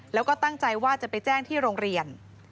แล้วก็ตั้งใจว่าจะไปแจ้งที่โรงเรียน